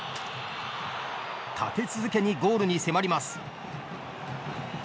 立て続けにゴールに迫ります。